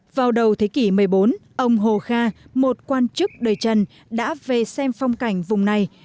vào đầu thế kỷ một mươi bốn ông hồ kha một quan chức đời trần đã về xem phong cảnh vùng này